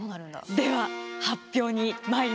では発表にまいります。